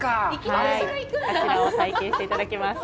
あちらを体験していただきます。